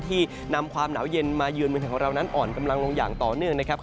นำความหนาวเย็นมายืนเมืองไทยของเรานั้นอ่อนกำลังลงอย่างต่อเนื่องนะครับ